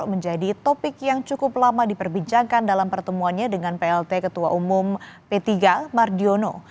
menjadi topik yang cukup lama diperbincangkan dalam pertemuannya dengan plt ketua umum p tiga mardiono